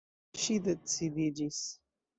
Ŝi decidiĝis.